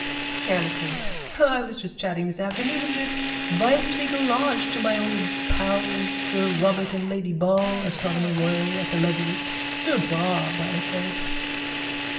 (Carelessly.) I was just chatting this afternoon at the viceregal lodge to my old pals, sir Robert and lady Ball, astronomer royal, at the levee. Sir Bob, I said...